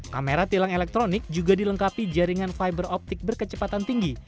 kamera tilang elektronik juga dilengkapi jaringan fiberoptik berkecepatan tinggi